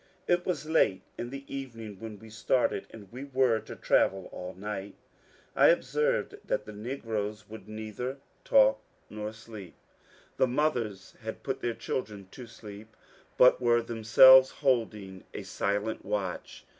It was late in the evening when we started, and we were to travel all night I observed that the negroes would neither talk nor sleep. The mothers had put their children to sleep, but were themselves holding a silent watch.